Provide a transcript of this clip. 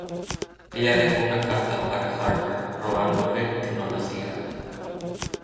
Ella deja una carta para Harker, rogándole que no la siga.